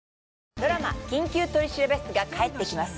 ドラマ『緊急取調室』が帰ってきます。